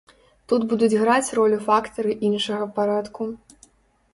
Тут будуць граць ролю фактары іншага парадку.